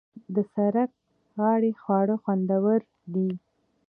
د سړک غاړې خواړه خوندور دي.